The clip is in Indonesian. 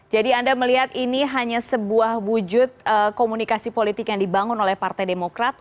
jadi anda melihat ini hanya sebuah wujud komunikasi politik yang dibangun oleh partai demokrat